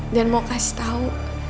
dan mau kasih tau